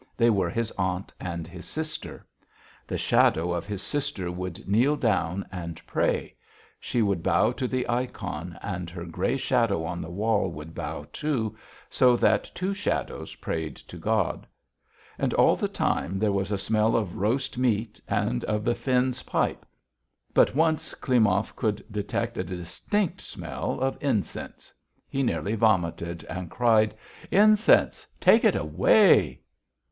They were his aunt and his sister. The shadow of his sister would kneel down and pray; she would bow to the ikon, and her grey shadow on the wall would bow, too, so that two shadows prayed to God. And all the time there was a smell of roast meat and of the Finn's pipe, but once Klimov could detect a distinct smell of incense. He nearly vomited and cried: "Incense! Take it away."